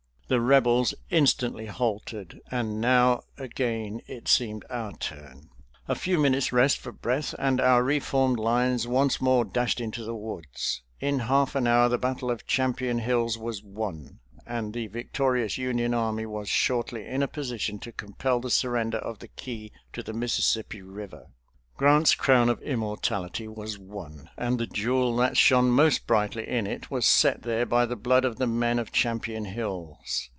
The Rebels instantly halted, and now again it seemed our turn. A few minutes rest for breath and our re formed lines once more dashed into the woods. In half an hour the battle of Champion Hills was won, and the victorious Union army was shortly in a position to compel the surrender of the key to the Mississippi River. Grant's crown of immortality was won, and the jewel that shone most brightly in it was set there by the blood of the men of Champion Hills.